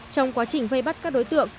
trong quá trình vây bắt các đối tượng